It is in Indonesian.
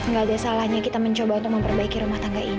nggak ada salahnya kita mencoba untuk memperbaiki rumah tangga ini